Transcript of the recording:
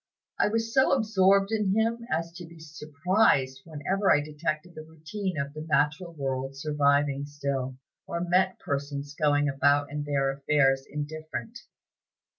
I was so absorbed in him as to be surprised whenever I detected the routine of the natural world surviving still, or met persons going about their affairs indifferent."